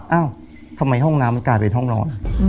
เอ้าทำไมห้องน้ำมันกลายเป็นห้องนอน